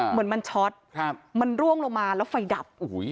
เหมือนมันช็อตมันร่วงลงมาแล้วไฟดับ